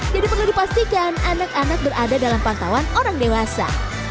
jadi perlu dipastikan anak anak berada dalam pantauan orang dewasa